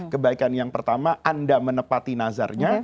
kebaikan yang pertama anda menepati nazarnya